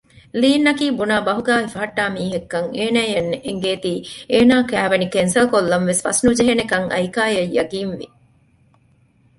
ލީންއަކީ ބުނާ ބަހުގައި ހިފަހައްޓާ މީހެއްކަން އޭނާއަށް އެނގޭތީ އޭނާ ކައިވެނި ކެންސަލްކޮށްލަންވެސް ފަސްނުޖެހޭނެކަން އައިކާއަށް ޔަޤީންވެ